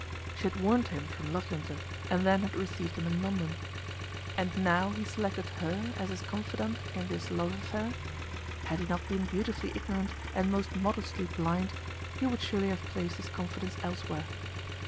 She had warned him from Loughlinter, and then had received him in London; and now he selected her as his confidante in this love affair! Had he not been beautifully ignorant and most modestly blind, he would surely have placed his confidence elsewhere.